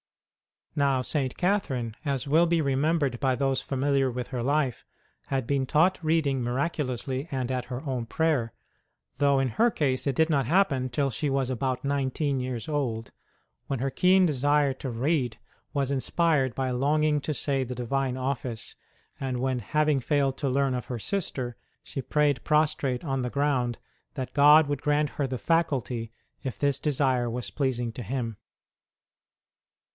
Now, St. Catherine, as will be remembered by those familiar with her life, had been taught reading miraculously and at her own prayer, though in her case it did not happen till she was about nineteen years old, when her keen desire to read was inspired by a longing to say the Divine Office, and when, having failed to learn of her sister, she prayed prostrate on the ground that God would grant her the faculty if this desire was pleasing to Him.